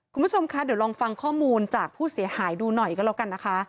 คุณผู้ชมคะเดี๋ยวลองฟังข้อมูลจากผู้เสียหายดูหน่อยก็แล้วกันนะคะ